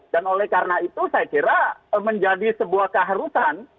dan oleh karena itu saya kira menjadi sebuah keharusan